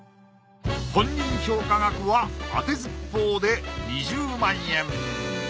本人評価額は当てずっぽうで２０万円。